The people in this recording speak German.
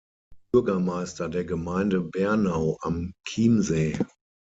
Bürgermeister der Gemeinde Bernau am Chiemsee.